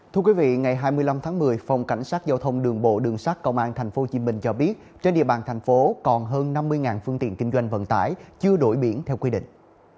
thưa quý vị ngày hai mươi năm tháng một mươi phòng cảnh sát giao thông đường bộ đường sát công an tp hcm cho biết trên địa bàn thành phố còn hơn năm mươi phương tiện kinh doanh vận tải chưa đổi biển theo quy định